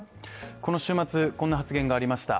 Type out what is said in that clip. この週末、こんな発言がありました。